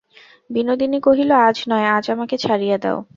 বিনোদিনী কহিল, আজ নয়, আজ আমাকে ছাড়িয়া দাও।